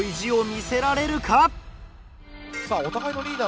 さあお互いのリーダーの。